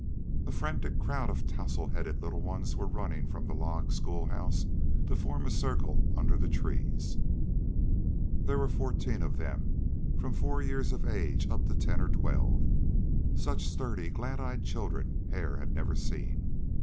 A frantic crowd of tousled headed little ones were running from the log school house to form a circle under the trees. There were fourteen of them, from four years of age up to ten or twelve. Such sturdy, glad eyed children Hare had never seen.